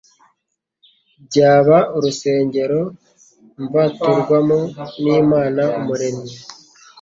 byaba urusengero mvaturwamo n'Imana Umuremyi.